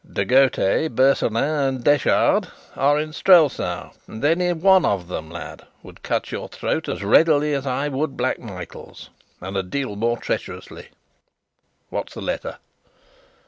"De Gautet, Bersonin, and Detchard are in Strelsau; and any one of them, lad, would cut your throat as readily as readily as I would Black Michael's, and a deal more treacherously. What's the letter?"